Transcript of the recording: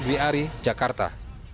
ri ari jakarta